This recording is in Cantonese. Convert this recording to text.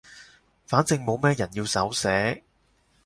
反正冇咩人要手寫